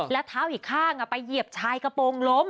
แล้วเท้าอีกข้างไปเหยียบชายกระโปรงล้ม